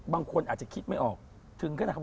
บางคนอาจจะคิดไม่ออกถึงขนาดไหนครับ